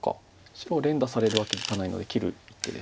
白連打されるわけにはいかないので切る一手です。